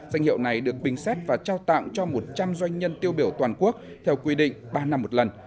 danh hiệu này được bình xét và trao tặng cho một trăm linh doanh nhân tiêu biểu toàn quốc theo quy định ba năm một lần